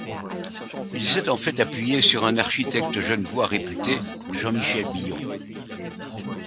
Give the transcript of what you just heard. Il s'est en fait appuyé sur un architecte genevois réputé, Jean-Michel Billon.